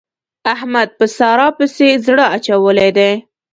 احمد په سارا پسې زړه اچولی دی.